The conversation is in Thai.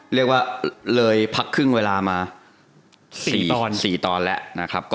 เรียกว่าเลยพักครึ่งเวลามา๔ตอน๔ตอนแล้วนะครับ